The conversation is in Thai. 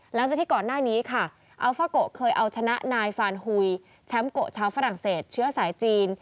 หลังจากที่ก่อนหน้านี้ค่ะอัลฟาโกเคยเอาชนะนายฟานฮุยแชมป์โกะชาวฝรั่งเศสเชื้อสายจีน